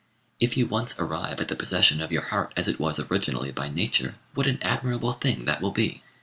If you once arrive at the possession of your heart as it was originally by nature, what an admirable thing that will be!